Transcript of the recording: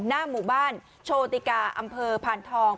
หน้าหมู่บ้านโชติกาอำเภอพานทอง